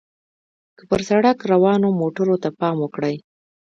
که پر سړک روانو موټرو ته پام وکړئ.